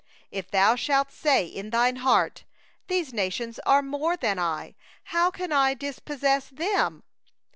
17If thou shalt say in thy heart: 'These nations are more than I; how can I dispossess them?